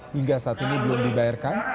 hingga saat ini belum dibayarkan